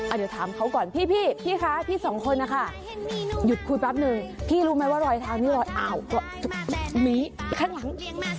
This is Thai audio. เดี๋ยวถามเขาก่อนพี่พี่คะพี่สองคนนะคะหยุดคุยแป๊บนึงพี่รู้ไหมว่ารอยเท้านี้รอยอ่าวมีข้างหลัง